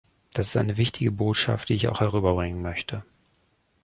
Das ist eine wichtige Botschaft, die ich auch herüberbringen möchte.